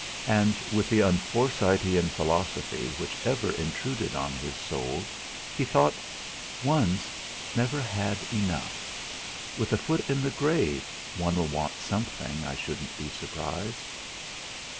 And with the un Forsytean philosophy which ever intruded on his soul, he thought: '.ne's never had enough. With a foot in the grave one'll want something, I shouldn't be surprised!'